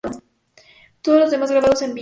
Todos los temas grabados en vivo.